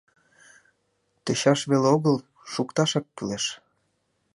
— Тӧчаш веле огыл — шукташак кӱлеш.